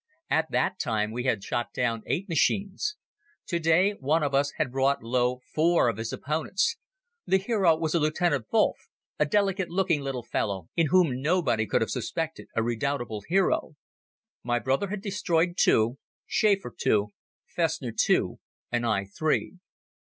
At that time we had shot down eight machines. To day one of us had brought low four of his opponents. The hero was a Lieutenant Wolff, a delicate looking little fellow in whom nobody could have suspected a redoubtable hero. My brother had destroyed two, Schäfer two, Festner two and I three.